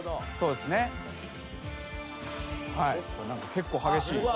結構激しい。